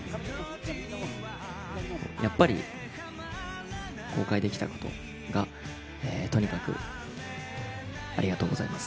やっぱり、公開できたことがとにかくありがとうございます。